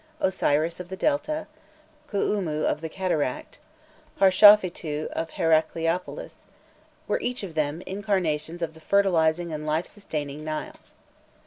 Osiris of the Delta, Khuûmû of the Cataract, Harshâfitû of Heracleopolis, were each of them, incarnations of the fertilizing and life sustaining Nile.